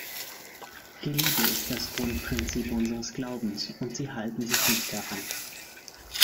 Die Liebe ist das Grundprinzip unseres Glaubens, und sie halten sich nicht daran.